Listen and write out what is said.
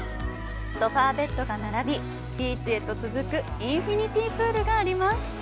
ソファーベッドが並び、ビーチへと続くインフィニティプールがあります。